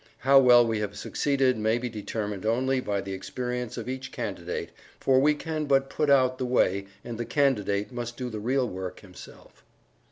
How well we have succeeded may be determined only by the experience of each Candidate, for we can but point out the way, and the Candidate must do the real work himself.